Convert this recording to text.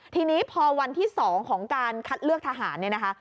ทีนี้พอวันที่๒ของการคัดเลือกทหารเนี่ยนะคะ